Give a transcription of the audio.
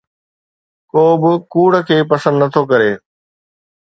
ڪو به ڪوڙ کي پسند نٿو ڪري